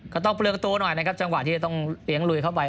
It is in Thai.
ก็ต้องเปลืองตัวหน่อยนะครับจังหวะที่จะต้องเลี้ยงลุยเข้าไป